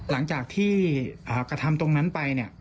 หลังจากที่กระทำตรงนั้นไปเนี่ย